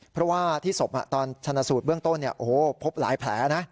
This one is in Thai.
เพราะว่าที่ศพตอนชนะสูตรเบื้องต้นพบหลายแผลนะ